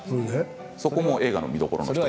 そこも映画の見どころです。